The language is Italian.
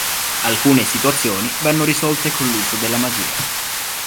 Alcune situazioni vanno risolte con l'uso della magia.